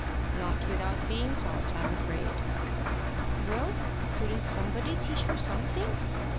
"Not without being taught, I'm afraid." "Well, couldn't somebody teach her something?"